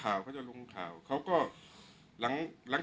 ช่างแอร์เนี้ยคือล้างหกเดือนครั้งยังไม่แอร์